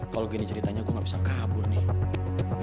kalau gini ceritanya gue gak bisa kabur nih